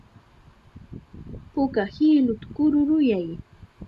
Puka hiluta kururayay.